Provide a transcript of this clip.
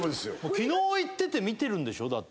昨日行ってて見てるんでしょ？だって。